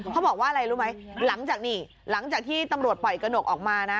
เขาบอกว่าอะไรรู้ไหมหลังจากนี่หลังจากที่ตำรวจปล่อยกระหนกออกมานะ